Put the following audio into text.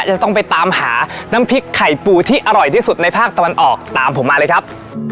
จะต้องไปตามหาน้ำพริกไข่ปูที่อร่อยที่สุดในภาคตะวันออกตามผมมาเลยครับ